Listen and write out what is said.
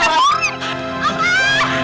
lepasin anak gue lepasin